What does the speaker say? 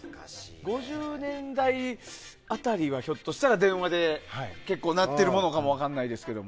５０年代辺りはひょっとしたら電話で結構、鳴っているものかも分からないですけど。